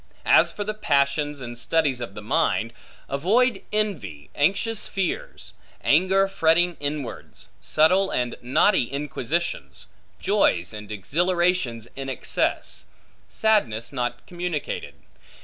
As for the passions, and studies of the mind; avoid envy, anxious fears; anger fretting inwards; subtle and knotty inquisitions; joys and exhilarations in excess; sadness not communicated.